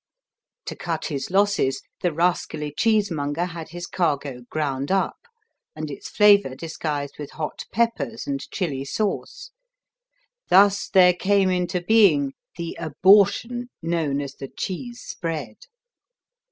To cut his losses the rascally cheesemonger had his cargo ground up and its flavor disguised with hot peppers and chili sauce. Thus there came into being the abortion known as the "cheese spread."